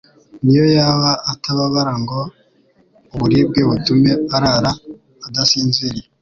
n'iyo yaba atababara ngo uburibwe butume arara adasinziriye.